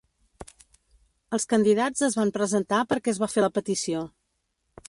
Els candidats es van presentar perquè es va fer la petició.